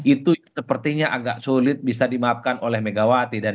itu sepertinya agak sulit bisa dimaafkan oleh megawati